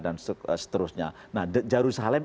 dan seterusnya nah yerusalem